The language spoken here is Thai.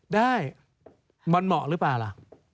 ได้มันเหมาะหรือเปล่าล่ะ